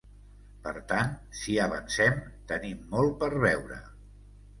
Per tant, si avancem, tenim molt per veure.